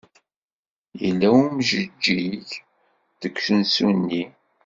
Yella umjeǧǧig deg usensu-nni?